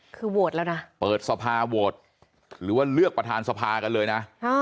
คือโหวตแล้วนะเปิดสภาโหวตหรือว่าเลือกประธานสภากันเลยนะ